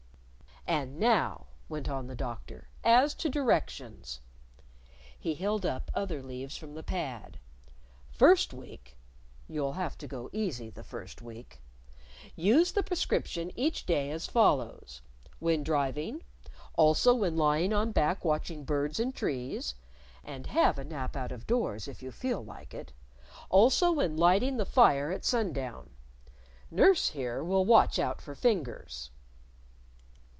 "And now," went on the Doctor, "as to directions." He held up other leaves from the pad. "First week (you'll have to go easy the first week), use the prescription each day as follows; When driving; also when lying on back watching birds in trees (and have a nap out of doors if you feel like it); also when lighting the fire at sundown. Nurse, here, will watch out for fingers."